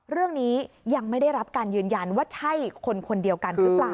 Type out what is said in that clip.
เรื่องนี้ยังไม่ได้รับการยืนยันว่าใช่คนคนเดียวกันหรือเปล่า